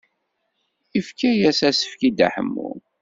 Yefka-as asefk i Dda Ḥemmu.